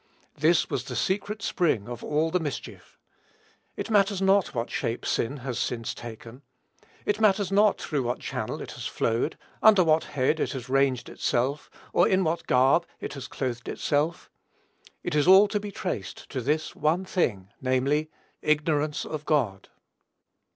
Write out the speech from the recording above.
This was the secret spring of all the mischief. It matters not what shape sin has since taken, it matters not through what channel it has flowed, under what head it has ranged itself, or in what garb it has clothed itself, it is all to be traced to this one thing, namely, ignorance of God.